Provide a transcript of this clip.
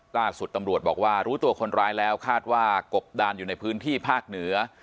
ล่าสุดตำรวจบอกว่ารู้ตัวคนร้ายแล้วคาดว่ากบดานอยู่ในพื้นที่ภาคเหนือ